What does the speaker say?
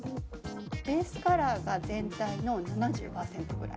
ベースカラーが全体の７０％くらい。